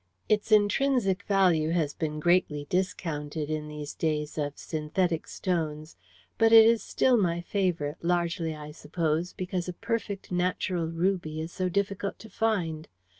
"Its intrinsic value has been greatly discounted in these days of synthetic stones, but it is still my favourite, largely, I suppose, because a perfect natural ruby is so difficult to find.